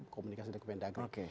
komunikasi dengan kemendagang